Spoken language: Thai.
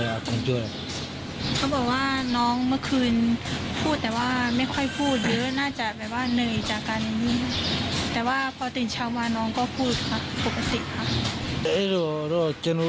เขาก็บอกว่าเขาทำไม่เป็นสภาพฟ้า